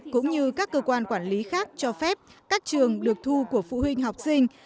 cũng như các cơ quan quản lý khác cho phép các trường được thu của phụ huynh học sinh